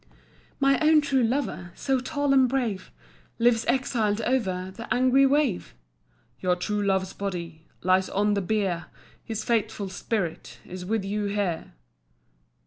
"My own true lover, So tall and brave, Lives exiled over The angry wave." "Your true love's body Lies on the bier, His faithful spirit Is with you here."